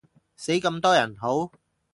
死咁多人好？